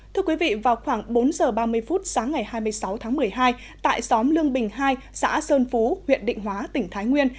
thưa quý vị vào khoảng bốn giờ ba mươi phút sáng ngày hai mươi sáu tháng một mươi hai tại xóm lương bình hai xã sơn phú huyện định hóa tỉnh thái nguyên